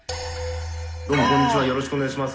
どうもこんにちはよろしくお願いします。